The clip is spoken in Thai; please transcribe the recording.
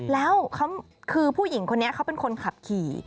แล้วคือผู้หญิงคนนี้เขาเป็นคนขับขี่